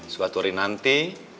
suatu hari nanti